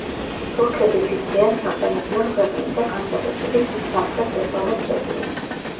თურქები დიდ ზიანს აყენებდნენ ქვეყნის და განსაკუთრებით მის სამხრეთ-დასავლეთ რეგიონს.